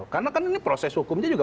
karena ini proses hukumnya